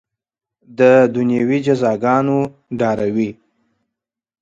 د دنیوي جزاګانو ډاروي.